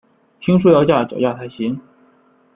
听说要架脚架才行